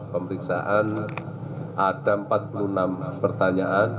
pemeriksaan ada empat puluh enam pertanyaan